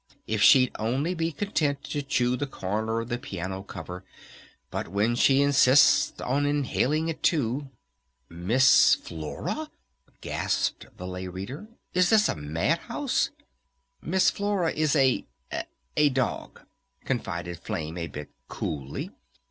If she'd only be content to chew the corner of the piano cover! But when she insists on inhaling it, too!" "Miss Flora?" gasped the Lay Reader. "Is this a Mad House?" "Miss Flora is a a dog," confided Flame a bit coolly.